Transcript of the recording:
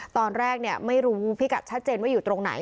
ตอนแรกไม่รู้พิกัดชัดเจนว่าอยู่ตรงไหน